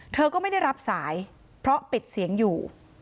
เธอก็ไม่ได้รับสายเพราะปิดเสียงอยู่